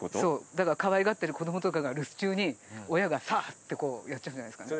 だからかわいがってる子どもとかが留守中に親がサッてこうやっちゃうんじゃないですかね。